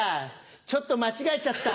ちょっと間違えちゃった。